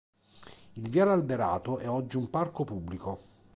Il viale alberato è oggi un parco pubblico.